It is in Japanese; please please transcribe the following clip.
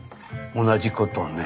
同じことをね